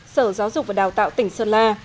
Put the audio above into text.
sở giáo dục và đào tạo tỉnh sơn la